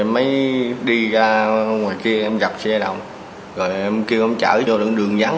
mấy đi ra ngoài kia em gặp xe đồng rồi em kêu em chở vô đường vắng